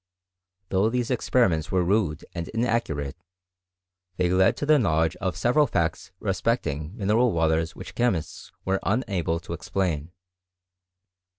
Thonghtbeie experiments were rude and inaccurate, they led to Uie knowledge of several facts respecting mineral waters which chemists were unable to explain.